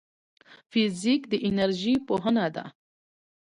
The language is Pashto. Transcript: فزیک د انرژۍ پوهنه ده